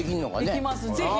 できますぜひ。